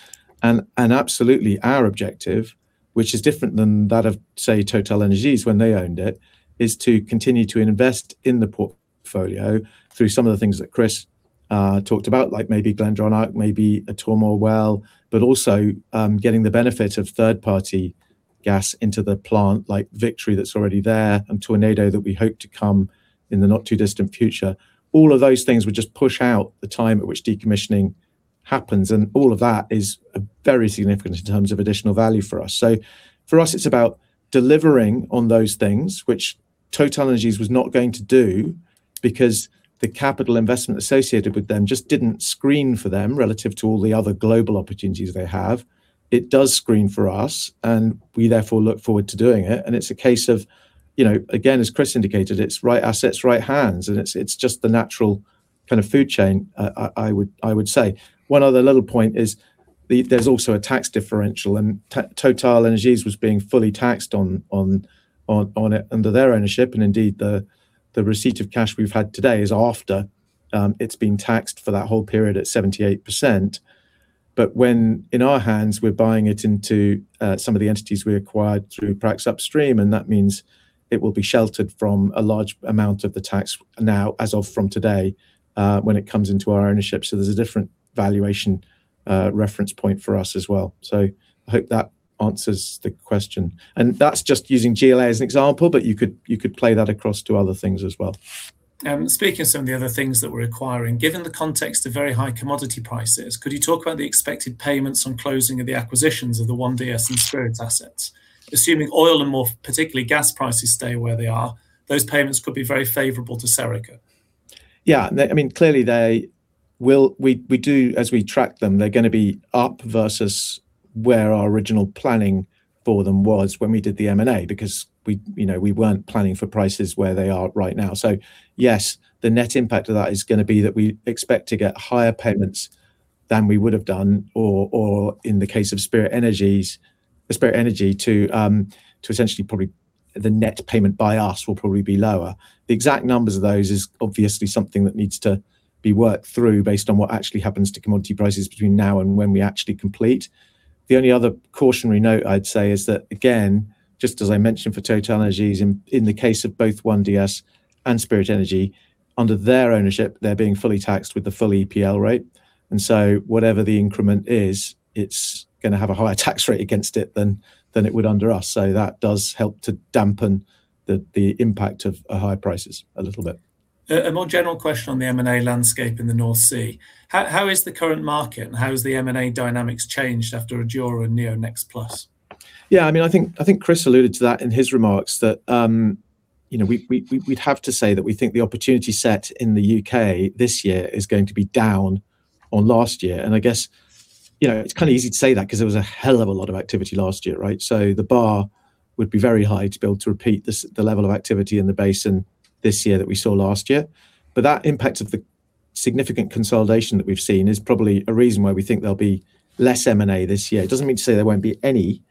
[SPEAKER 3] Absolutely our objective, which is different than that of say TotalEnergies when they owned it, is to continue to invest in the portfolio through some of the things that Chris talked about, like maybe Glendronach, maybe a Tormore well, but also getting the benefit of third-party gas into the plant like Victory that's already there and Tornado that we hope to come in the not too distant future. All of those things would just push out the time at which decommissioning happens. All of that is very significant in terms of additional value for us. For us, it's about delivering on those things, which TotalEnergies was not going to do because the capital investment associated with them just didn't screen for them relative to all the other global opportunities they have. It does screen for us and we therefore look forward to doing it. It's a case of, again, as Chris indicated, it's right assets, right hands, and it's just the natural kind of food chain, I would say. One other little point is there's also a tax differential and TotalEnergies was being fully taxed under their ownership. Indeed the receipt of cash we've had today is after it's been taxed for that whole period at 78%. When in our hands, we're buying it into some of the entities we acquired through Prax Upstream, and that means it will be sheltered from a large amount of the tax now as of from today when it comes into our ownership. There's a different valuation reference point for us as well. I hope that answers the question. That's just using GLA as an example, but you could play that across to other things as well.
[SPEAKER 4] Speaking of some of the other things that we're acquiring, given the context of very high commodity prices, could you talk about the expected payments on closing of the acquisitions of the ONE-Dyas and Spirit assets? Assuming oil and more particularly gas prices stay where they are, those payments could be very favorable to Serica.
[SPEAKER 3] Yeah. I mean, clearly they will. We do as we track them. They're gonna be up versus where our original planning for them was when we did the M&A because, you know, we weren't planning for prices where they are right now. Yes, the net impact of that is gonna be that we expect to get higher payments than we would've done, or in the case of Spirit Energy to essentially probably the net payment by us will probably be lower. The exact numbers of those is obviously something that needs to be worked through based on what actually happens to commodity prices between now and when we actually complete. The only other cautionary note I'd say is that, again, just as I mentioned for TotalEnergies, in the case of both ONE-Dyas and Spirit Energy, under their ownership, they're being fully taxed with the full EPL rate. Whatever the increment is, it's gonna have a higher tax rate against it than it would under us. That does help to dampen the impact of higher prices a little bit.
[SPEAKER 4] A more general question on the M&A landscape in the North Sea. How is the current market and how has the M&A dynamics changed after Adura and NEO Energy?
[SPEAKER 3] Yeah, I mean, I think Chris alluded to that in his remarks that you know, we'd have to say that we think the opportunity set in the U.K. this year is going to be down on last year. I guess, you know, it's kind of easy to say that cause there was a hell of a lot of activity last year, right? The bar would be very high to be able to repeat this, the level of activity in the basin this year that we saw last year. That impact of the significant consolidation that we've seen is probably a reason why we think there'll be less M&A this year. It doesn't mean to say there won't be any,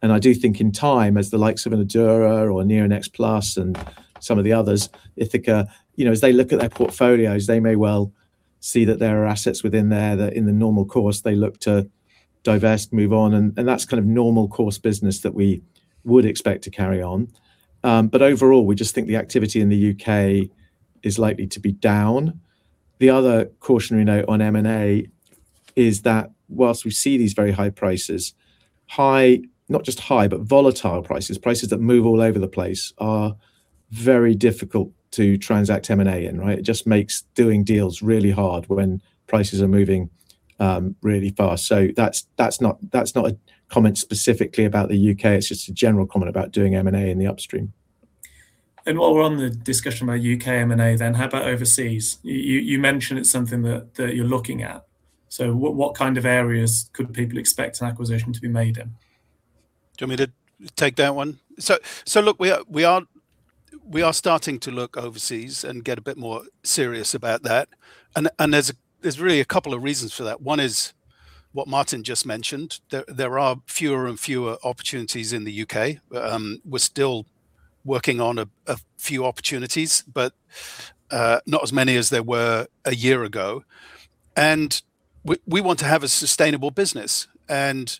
[SPEAKER 3] and I do think in time as the likes of an Adura or a NEO Energy and some of the others, Ithaca, you know, as they look at their portfolios, they may well see that there are assets within there that in the normal course they look to divest, move on, and that's kind of normal course business that we would expect to carry on. But overall, we just think the activity in the U.K. is likely to be down. The other cautionary note on M&A is that while we see these very high prices, high, not just high, but volatile prices that move all over the place are very difficult to transact M&A in, right? It just makes doing deals really hard when prices are moving really fast. That's not a comment specifically about the U.K., it's just a general comment about doing M&A in the upstream.
[SPEAKER 4] While we're on the discussion about U.K. M&A, then how about overseas? You mentioned it's something that you're looking at. What kind of areas could people expect an acquisition to be made in?
[SPEAKER 2] Do you want me to take that one? Look, we are starting to look overseas and get a bit more serious about that. There's really a couple of reasons for that. One is what Martin just mentioned. There are fewer and fewer opportunities in the U.K. We're still working on a few opportunities, but not as many as there were a year ago. We want to have a sustainable business and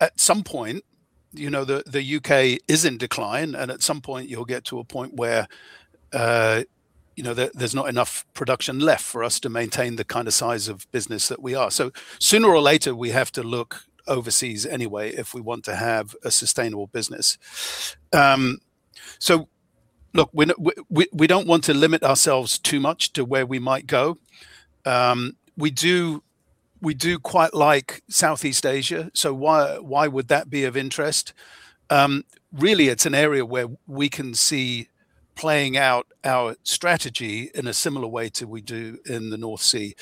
[SPEAKER 2] at some point, you know, the U.K. is in decline and at some point you'll get to a point where, you know, there's not enough production left for us to maintain the kind of size of business that we are. Sooner or later we have to look overseas anyway if we want to have a sustainable business. Look, we don't want to limit ourselves too much to where we might go. We do quite like Southeast Asia, why would that be of interest? Really it's an area where we can see playing out our strategy in a similar way to we do in the North Sea.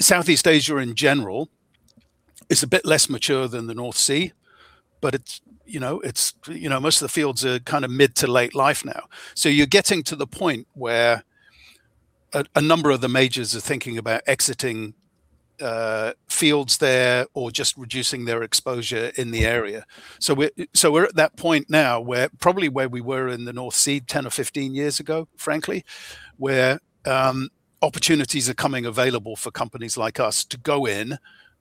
[SPEAKER 2] Southeast Asia in general is a bit less mature than the North Sea, but it's, you know, most of the fields are kind of mid to late life now. You're getting to the point where a number of the majors are thinking about exiting fields there or just reducing their exposure in the area. We're at that point now where probably we were in the North Sea 10 or 15 years ago, frankly, where opportunities are coming available for companies like us to go in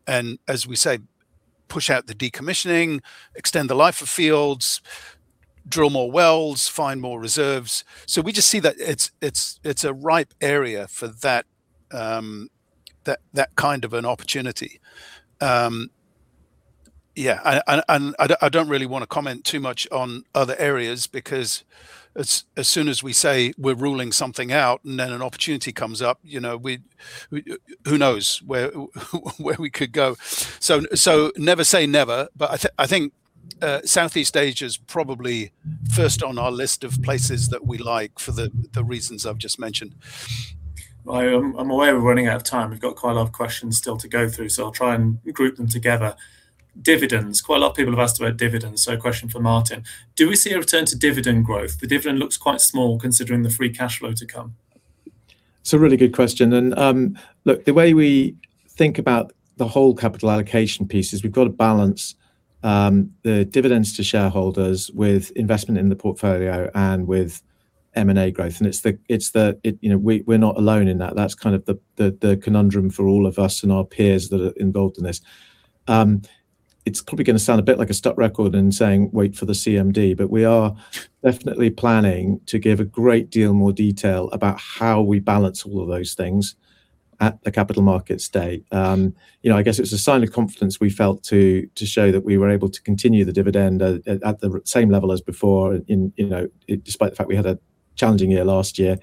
[SPEAKER 2] and, as we say, push out the decommissioning, extend the life of fields, drill more wells, find more reserves. We just see that it's a ripe area for that kind of an opportunity. Yeah, and I don't really want to comment too much on other areas because as soon as we say we're ruling something out and then an opportunity comes up, you know, we who knows where we could go. Never say never, but I think Southeast Asia is probably first on our list of places that we like for the reasons I've just mentioned.
[SPEAKER 4] I'm aware we're running out of time. We've got quite a lot of questions still to go through, so I'll try and group them together. Dividends. Quite a lot of people have asked about dividends, so a question for Martin. Do we see a return to dividend growth? The dividend looks quite small considering the free cash flow to come.
[SPEAKER 3] It's a really good question and, look, the way we think about the whole capital allocation piece is we've got to balance the dividends to shareholders with investment in the portfolio and with M&A growth. It's, you know, we're not alone in that. That's kind of the conundrum for all of us and our peers that are involved in this. It's probably gonna sound a bit like a stuck record in saying wait for the CMD, but we are definitely planning to give a great deal more detail about how we balance all of those things. At the Capital Markets Day. You know, I guess it was a sign of confidence we felt to show that we were able to continue the dividend at the same level as before, you know, despite the fact we had a challenging year last year.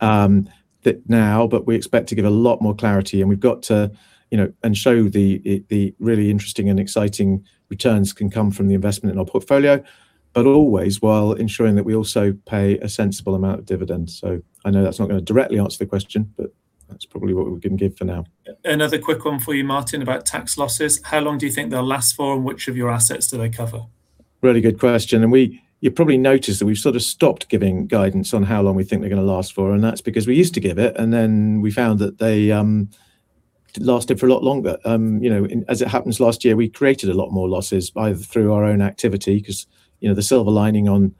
[SPEAKER 3] But we expect to give a lot more clarity, and we've got to, you know, show that the really interesting and exciting returns can come from the investment in our portfolio, but always while ensuring that we also pay a sensible amount of dividends. I know that's not gonna directly answer the question, but that's probably what we can give for now.
[SPEAKER 4] Another quick one for you, Martin, about tax losses. How long do you think they'll last for, and which of your assets do they cover?
[SPEAKER 3] Really good question. You probably noticed that we've sort of stopped giving guidance on how long we think they're gonna last for, and that's because we used to give it, and then we found that they lasted for a lot longer. You know, as it happens, last year, we created a lot more losses through our own activity cause, you know, the silver lining on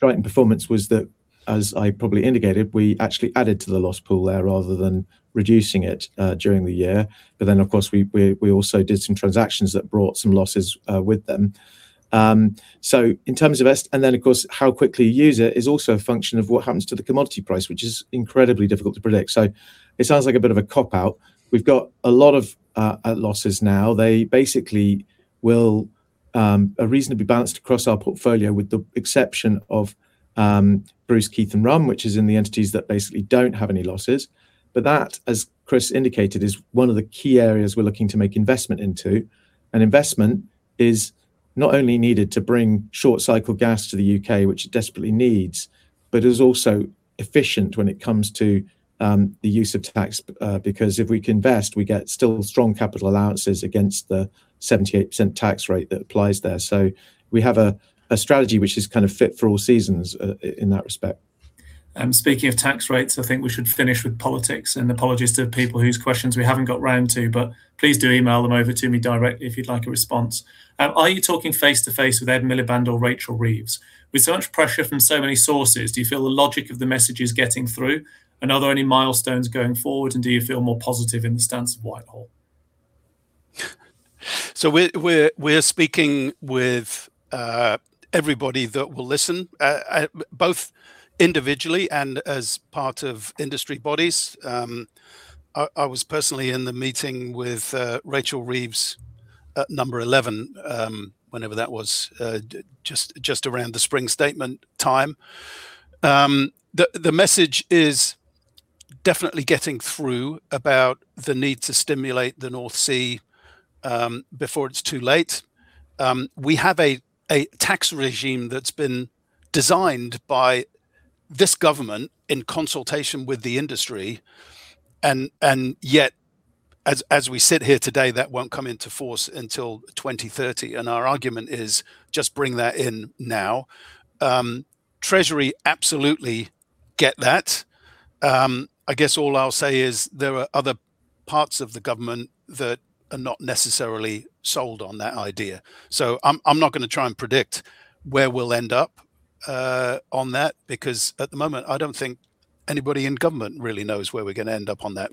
[SPEAKER 3] current performance was that, as I probably indicated, we actually added to the loss pool there rather than reducing it during the year. Of course, we also did some transactions that brought some losses with them. Of course, how quickly you use it is also a function of what happens to the commodity price, which is incredibly difficult to predict. It sounds like a bit of a cop-out. We've got a lot of losses now. They basically are reasonably balanced across our portfolio with the exception of Bruce, Keith and Rum, which is in the entities that basically don't have any losses. But that, as Chris indicated, is one of the key areas we're looking to make investment into, and investment is not only needed to bring short cycle gas to the U.K., which it desperately needs, but is also efficient when it comes to the use of tax because if we can invest, we get still strong capital allowances against the 78% tax rate that applies there. We have a strategy which is kind of fit for all seasons in that respect.
[SPEAKER 4] Speaking of tax rates, I think we should finish with politics, and apologies to people whose questions we haven't got round to, but please do email them over to me directly if you'd like a response. Are you talking face-to-face with Ed Miliband or Rachel Reeves? With so much pressure from so many sources, do you feel the logic of the message is getting through? Are there any milestones going forward, and do you feel more positive in the stance of Whitehall?
[SPEAKER 2] We're speaking with everybody that will listen, both individually and as part of industry bodies. I was personally in the meeting with Rachel Reeves at Number 11, whenever that was, just around the spring statement time. The message is definitely getting through about the need to stimulate the North Sea, before it's too late. We have a tax regime that's been designed by this government in consultation with the industry and yet, as we sit here today, that won't come into force until 2030, and our argument is just bring that in now. Treasury absolutely get that. I guess all I'll say is there are other parts of the government that are not necessarily sold on that idea. I'm not gonna try and predict where we'll end up on that because at the moment I don't think anybody in government really knows where we're gonna end up on that.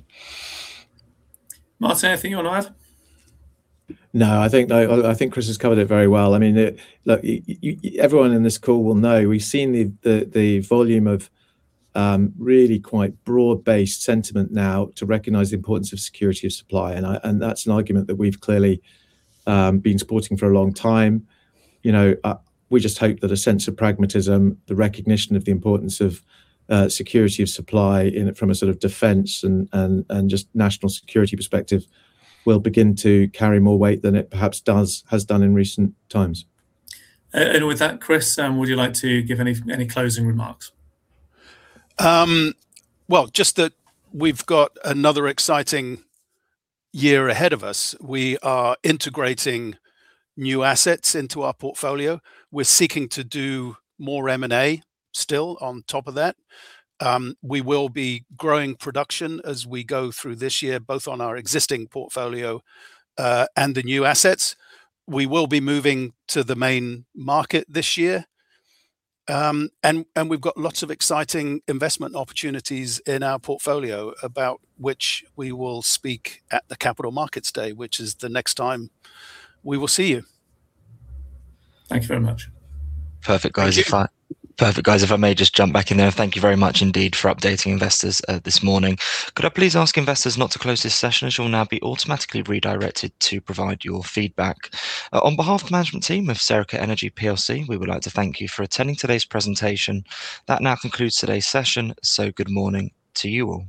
[SPEAKER 4] Martin, anything you want to add?
[SPEAKER 3] No. I think Chris has covered it very well. I mean, look, everyone in this call will know we've seen the volume of really quite broad-based sentiment now to recognize the importance of security of supply, and that's an argument that we've clearly been supporting for a long time. You know, we just hope that a sense of pragmatism, the recognition of the importance of security of supply from a sort of defense and just national security perspective, will begin to carry more weight than it perhaps has done in recent times.
[SPEAKER 4] With that, Chris, would you like to give any closing remarks?
[SPEAKER 2] Well, just that we've got another exciting year ahead of us. We are integrating new assets into our portfolio. We're seeking to do more M&A still on top of that. We will be growing production as we go through this year, both on our existing portfolio, and the new assets. We will be moving to the main market this year. We've got lots of exciting investment opportunities in our portfolio, about which we will speak at the Capital Markets Day, which is the next time we will see you.
[SPEAKER 3] Thank you very much.
[SPEAKER 1] Perfect, guys...
[SPEAKER 4] Thank you.
[SPEAKER 1] Perfect, guys. If I may just jump back in there. Thank you very much indeed for updating investors, this morning. Could I please ask investors not to close this session, as you will now be automatically redirected to provide your feedback. On behalf of the management team of Serica Energy plc, we would like to thank you for attending today's presentation. That now concludes today's session, so good morning to you all.